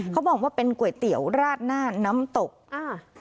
เขาบอกว่าเป็นก๋วยเตี๋ยวราดหน้าน้ำตกอ่า